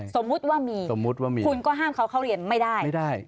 สมมุติว่ามีคุณก็ห้ามเขาเข้าเรียนไม่ได้